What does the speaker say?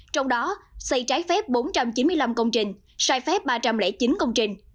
trong đó xây trái phép bốn trăm chín mươi năm công trình sai phép ba trăm linh chín công trình